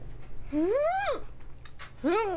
うん！